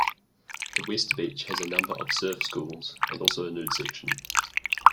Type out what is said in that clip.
The west beach has a number of surf schools and also a nude section.